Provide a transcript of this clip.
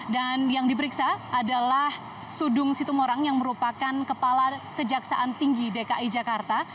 dan yang diperiksa adalah sudung situmorang yang merupakan kepala kejaksaan tinggi dki jakarta